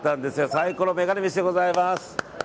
サイコロメガネ飯でございます。